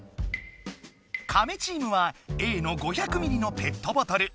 カメチームはＡの「５００ｍのペットボトル」。